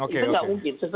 tidak mungkin lah